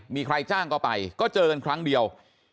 มีใครจ้างก็ไปก็เจอกันครั้งเดียว